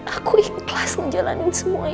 aku ikhlas ngejalanin semua